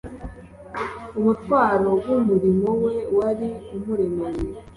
Umutwaro w'umurimo we wari umuremereye.